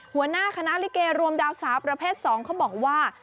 หัวหน้าคณะลิเกรวมดาวสาวประเภท๒เขาบอกว่า